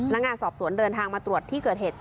นักงานสอบสวนเดินทางมาตรวจที่เกิดเหตุ